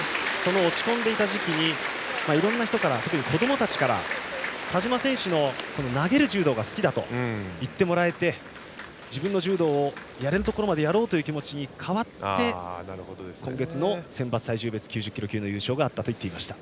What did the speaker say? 落ち込んでいた時期にいろんな人から特に子どもたちから田嶋選手の投げる柔道が好きだと言ってもらえて自分の柔道をやれるところまでやろうという気持ちに変わって今月の選抜体重別で９０キロ級の優勝があったと言っていました。